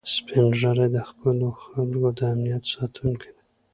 سپین ږیری د خپلو خلکو د امنیت ساتونکي دي